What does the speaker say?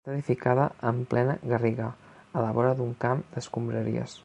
Està edificada en plena garriga, a la vora d'un camp d'escombraries.